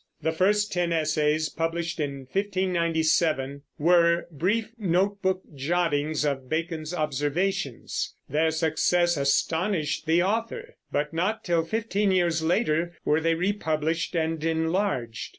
The first ten essays, published in 1597, were brief notebook jottings of Bacon's observations. Their success astonished the author, but not till fifteen years later were they republished and enlarged.